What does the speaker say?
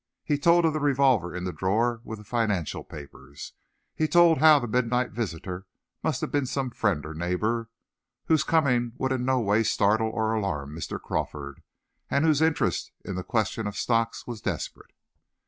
He told of the revolver in the drawer with the financial papers. He told how the midnight visitor must have been some friend or neighbor, whose coming would in no way startle or alarm Mr. Crawford, and whose interest in the question of stocks was desperate.